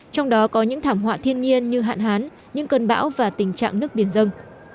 trong đó có những thảm họa thiên nhiên như hạn hán những cơn bão và tình trạng nước biển dân